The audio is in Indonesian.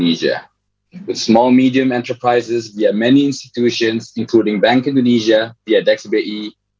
perusahaan kecil dan sederhana melalui banyak institusi termasuk bank indonesia melalui dexbay